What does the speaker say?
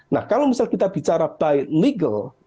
nah kalau misal kita bicara by legal